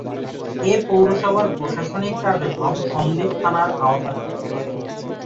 এ পৌরসভার প্রশাসনিক কার্যক্রম সন্দ্বীপ থানার আওতাধীন।